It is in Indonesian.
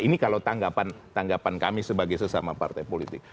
ini kalau tanggapan kami sebagai sesama partai politik